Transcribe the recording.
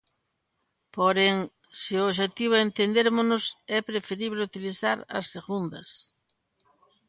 Porén, se o obxectivo é entendérmonos, é preferible utilizar as segundas.